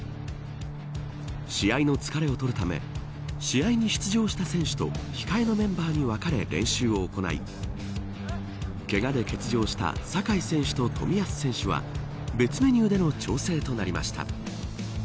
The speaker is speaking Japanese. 試合の疲れを取るため試合に出場した選手と控えのメンバーに分かれ練習を行いけがで欠場した酒井選手と冨安選手は別メニューでの調整となりました。